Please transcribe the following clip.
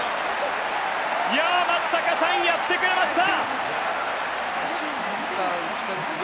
松坂さん、やってくれました！